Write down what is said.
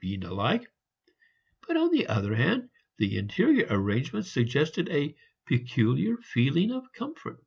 being alike, but on the other hand the interior arrangements suggested a peculiar feeling of comfort.